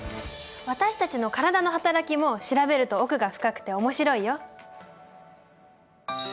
私たちの体の働きも調べると奥が深くて面白いよ。